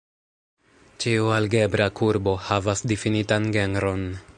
Ĉiu algebra kurbo havas difinitan genron.